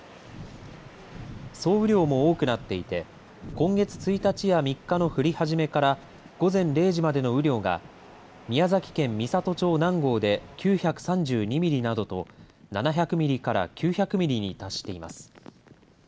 総雨量も多くなっていて今月１日や３日の降り始めから午前０時までの雨量が宮崎県美郷町南郷で９３２ミリなどと７００ミリから９００ミリに達しています。